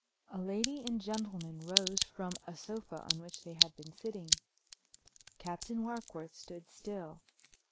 A lady and gentleman rose from a sofa on which they had been sitting. Captain Warkworth stood still.